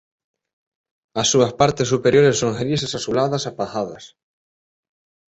As súas partes superiores son grises azuladas apagadas.